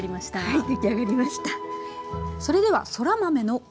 はい。